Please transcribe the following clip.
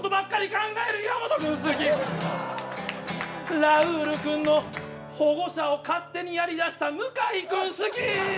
「考える岩本君好き」「ラウール君の保護者を勝手にやりだした向井君好き」